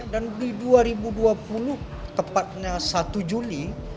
dan di dua ribu dua puluh tepatnya satu juli